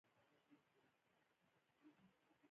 ژورې سرچینې د افغانستان د طبیعت د ښکلا یوه ډېره مهمه برخه ده.